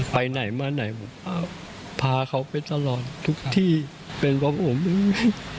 ไปไหนมาไหนผมพาเขาไปตลอดทุกที่เป็นเพราะผมเลย